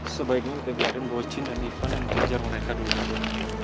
sebaiknya kita biarin bocin dan ivan yang kejar mereka dulu